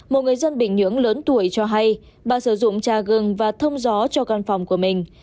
một người dân bình nhưỡng lớn tuổi cho hay bà sử dụng trà gừng và thông gió cho con phòng của mình